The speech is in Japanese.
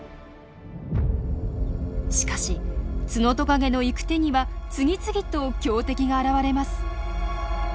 しかしツノトカゲの行く手には次々と強敵が現れます。